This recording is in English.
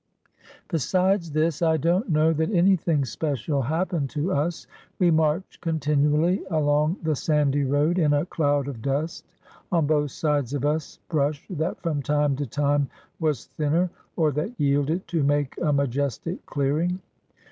Besides this I don't know that anything special hap 468 IN THE SOUTH AFRICAN ARMY pened to us. We marched continually along the sandy road in a cloud of dust, on both sides of us brush that from time to time was thinner, or that yielded to make a majestic clearing.